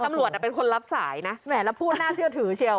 ตำรวจเป็นคนรับสายนะแหมแล้วพูดน่าเชื่อถือเชียว